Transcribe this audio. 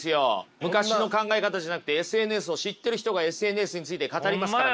昔の考え方じゃなくてＳＮＳを知ってる人がＳＮＳについて語りますからね。